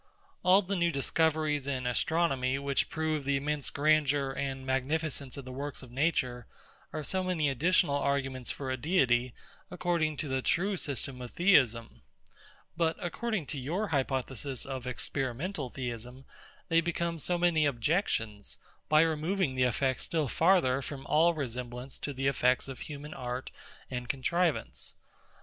All the new discoveries in astronomy, which prove the immense grandeur and magnificence of the works of Nature, are so many additional arguments for a Deity, according to the true system of Theism; but, according to your hypothesis of experimental Theism, they become so many objections, by removing the effect still further from all resemblance to the effects of human art and contrivance.